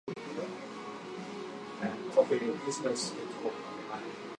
He is buried outside Saint Asaph Cathedral, at Saint Asaph, Denbighshire, North Wales.